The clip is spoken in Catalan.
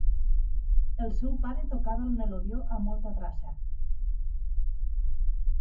El seu pare tocava el melodió amb molta traça.